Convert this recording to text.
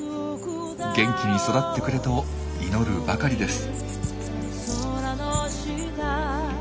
「元気に育ってくれ」と祈るばかりです。